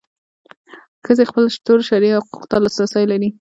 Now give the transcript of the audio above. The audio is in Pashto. ښځې خپلو ټولو شرعي حقونو ته لاسرسی لري.